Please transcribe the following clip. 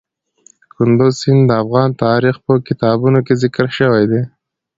کندز سیند د افغان تاریخ په کتابونو کې ذکر شوی دی.